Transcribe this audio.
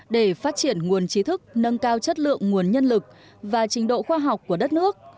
để phát triển nguồn trí thức nâng cao chất lượng nguồn nhân lực và trình độ khoa học của đất nước